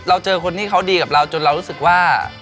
เราเจอคนที่เขาดีกับเราจนเรารู้สึกว่า